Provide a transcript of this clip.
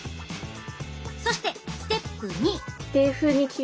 そしてステップ２！